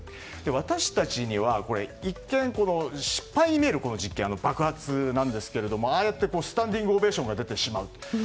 私たちには一見、失敗に見える爆発ですがああしてスタンディングオベーションが出てしまう。